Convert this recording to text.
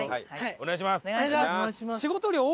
お願いします。